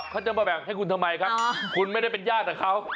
เขาจะมาแบ่งให้คุณทำไมครับคุณไม่ได้เป็นญาติกับเขา